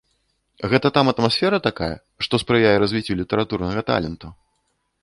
Гэта там атмасфера такая, што спрыяе развіццю літаратурнага таленту?